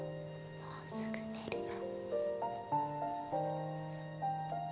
もうすぐ寝るよ。